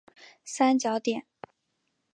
三角点。